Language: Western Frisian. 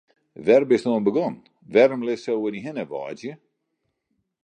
Wêr bist oan begûn, wêrom litst sa oer dy hinne wâdzje?